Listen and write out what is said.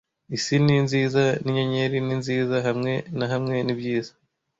Isi ni nziza n'inyenyeri ni nziza, hamwe na hamwe ni byiza.